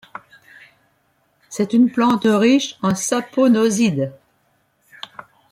C'est une plante riche en saponosides.